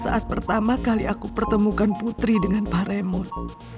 saat pertama kali aku pertemukan putri dengan pak raymond